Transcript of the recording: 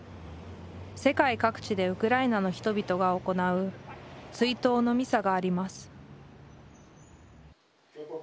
世界各地でウクライナの人々が行う追悼のミサがあります